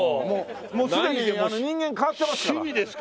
もうすでに人間変わってますから。